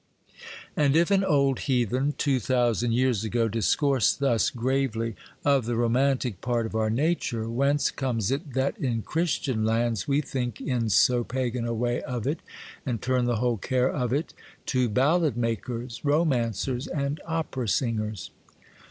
And if an old heathen, two thousand years ago, discoursed thus gravely of the romantic part of our nature, whence comes it that in Christian lands we think in so pagan a way of it, and turn the whole care of it to ballad makers, romancers, and opera singers?